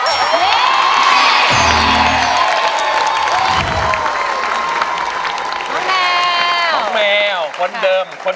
ทั้งในเรื่องของการทำงานเคยทำนานแล้วเกิดปัญหาน้อย